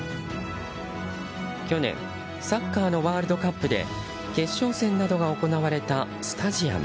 去年サッカーのワールドカップで決勝戦などが行われたスタジアム。